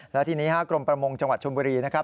และทีนี้กรมประมงจังหวัดชมบุรีนะครับ